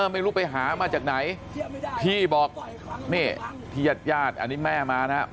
ไม่รู้ไปหามาจากไหนพี่บอกนี่ที่ญาติญาติอันนี้แม่มานะครับ